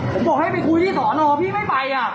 ผมบอกให้ไปคุยที่สอนอพี่ไม่ไป